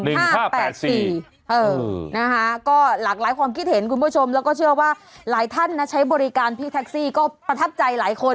หลากหลายความคิดเห็นคุณผู้ชมแล้วก็เชื่อว่าหลายท่านนะใช้บริการพี่แท็กซี่ก็ประทับใจหลายคน